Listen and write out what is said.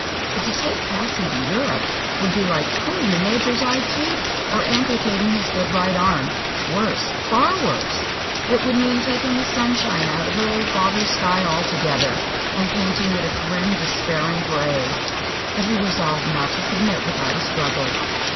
But to take Patsy to Europe would be like pulling the Major's eye teeth or amputating his good right arm. Worse; far worse! It would mean taking the sunshine out of her old father's sky altogether, and painting it a grim, despairing gray. But he resolved not to submit without a struggle.